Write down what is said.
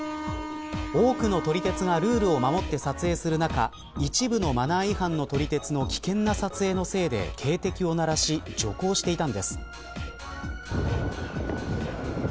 多くの撮り鉄がルールを守って撮影する中一部のマナー違反の撮り鉄の危険な撮影のせいで警笛を鳴らし徐行していたんです。